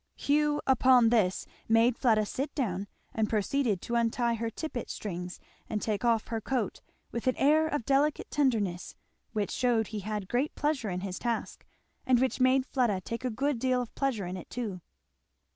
Hugh upon this made Fleda sit down and proceeded to untie her tippet strings and take off her coat with an air of delicate tenderness which shewed he had great pleasure in his task, and which made Fleda take a good deal of pleasure in it too.